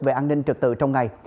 về an ninh trực tự trong ngày